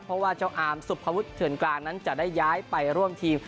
เพราะว่าเจ้าอามสุภวุฒิเถื่อนกลางนั้นจะได้ย้ายไปร่วมทีม